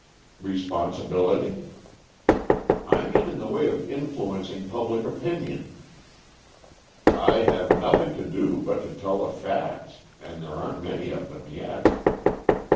"Responsibility?" "I mean in the way of influencing public opinion." "I have nothing to do but to tell the facts, and there aren't many of them yet."